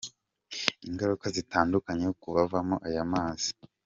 Ingaruka zitandukanye ku bavoma aya mazi.